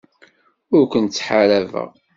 Ur kent-ttḥaṛabeɣ.